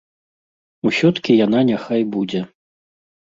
Усё-ткі яна няхай будзе.